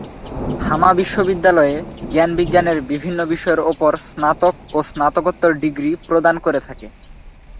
হামা বিশ্ববিদ্যালয়ে জ্ঞান-বিজ্ঞানের বিভিন্ন বিষয়ের ওপর স্নাতক ও স্নাতকোত্তর ডিগ্রী প্রদান করে থাকে।